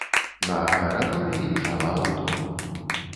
На аэрадроме імчала аўто.